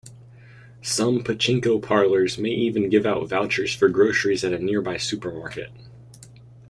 Some pachinko parlors may even give out vouchers for groceries at a nearby supermarket.